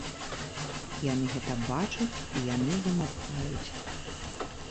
Яны гэта бачаць, і яны замаўкаюць.